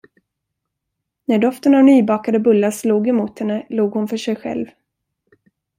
När doften av nybakade bullar slog emot henne log hon för sig själv.